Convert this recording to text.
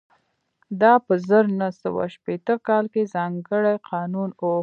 دا په زر نه سوه شپېته کال کې ځانګړی قانون و